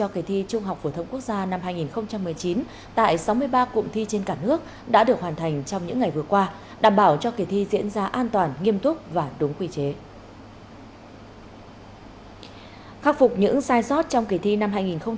khắc phục những sai sót trong kỳ thi năm hai nghìn một mươi tám